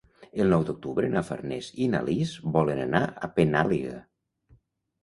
El nou d'octubre na Farners i na Lis volen anar a Penàguila.